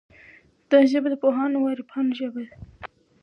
دا ژبه د پوهانو او عارفانو ژبه ده.